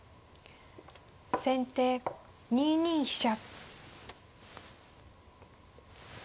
先手２二飛車。